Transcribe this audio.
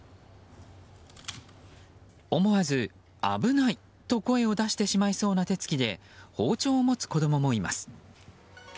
思わず危ない！と声を出してしまいそうな手つきで包丁を持つ子供もいます。